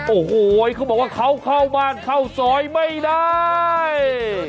โอ้โหเขาบอกว่าเขาเข้าบ้านเข้าซอยไม่ได้